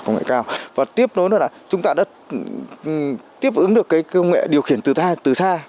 công nghệ cao và tiếp nối nữa là chúng ta đã tiếp ứng được cái công nghệ điều khiển từ xa